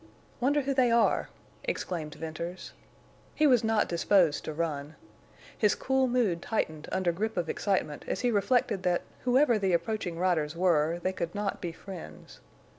"Wonder who they are!" exclaimed Venters. He was not disposed to run. His cool mood tightened under grip of excitement as he reflected that, whoever the approaching riders were, they could not be friends.